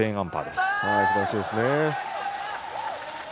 すばらしいですね。